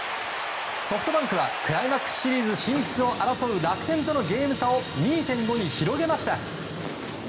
ソフトバンクはクライマックスシリーズ進出を争う楽天とのゲーム差を２．５に広げました。